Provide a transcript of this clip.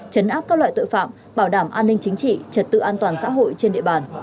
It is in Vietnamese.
chấn áp các loại tội phạm bảo đảm an ninh chính trị trật tự an toàn xã hội trên địa bàn